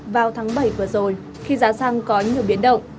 vào tháng bảy vừa rồi khi giá xăng có nhiều biến động